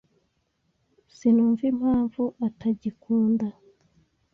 Sinumva impamvu atagikunda.